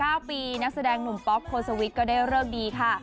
หลังจาก๙ปีนักแสดงหนุ่มป๊อปโคซาวิทก็ได้เริ่มดีค่ะ